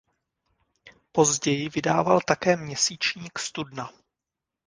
Později vydával také měsíčník Studna.